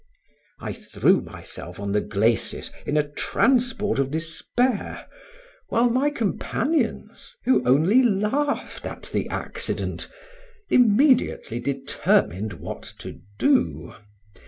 I threw myself on the glacis in a transport of despair, while my companions, who only laughed at the accident, immediately determined what to do.